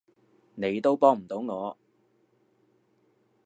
你都幫唔到我